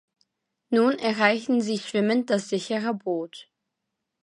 Nun erreichen sie schwimmend das sichere Boot.